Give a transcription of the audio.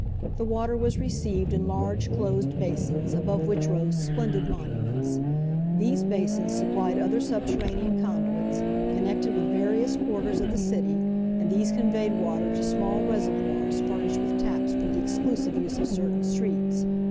The water was received in large closed basins, above which rose splendid monuments: these basins supplied other subterranean conduits, connected with various quarters of the city, and these conveyed water to small reservoirs furnished with taps for the exclusive use of certain streets.